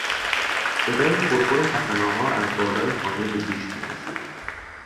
صدای خرخر حسن آقا از بالا خانه به گوش میرسید.